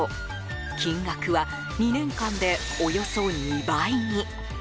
金額は２年間でおよそ２倍に。